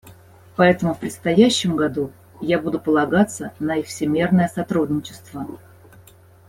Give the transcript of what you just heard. Поэтому в предстоящем году я буду полагаться на их всемерное сотрудничество.